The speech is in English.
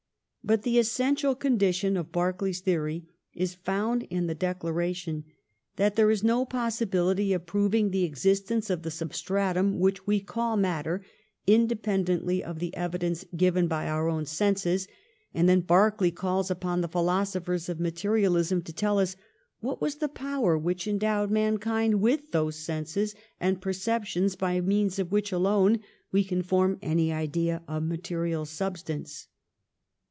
But the essential condition of Berkeley's theory is found in the declaration that there is no possibility 300 THE REIGN OF QUEEN ANNE. ch. xxxv. of proving the existence of the substratum which we call matter, independently of the evidence given by our own senses, and then Berkeley calls upon the philosophers of materialism to tell us what was the power which endowed mankind with those senses and perceptions by means of which alone we can form any idea of material substance.